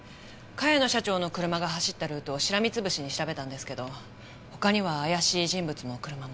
茅野社長の車が走ったルートをしらみつぶしに調べたんですけど他には怪しい人物も車も。